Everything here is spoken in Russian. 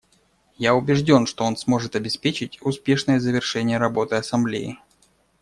Я убежден, что он сможет обеспечить успешное завершение работы Ассамблеи.